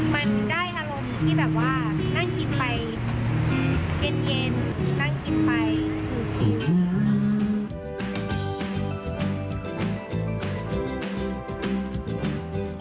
มันได้อารมณ์ที่แบบว่านั่งกินไปเย็นนั่งกินไปชิว